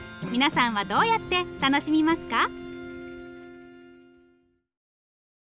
皆さんはどうやって楽しみますか？